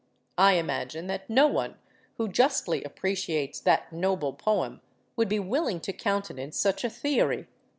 I imagine that no one who justly appreciates that noble poem would be willing to countenance such a theory.